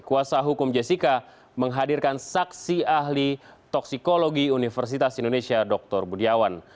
kuasa hukum jessica menghadirkan saksi ahli toksikologi universitas indonesia dr budiawan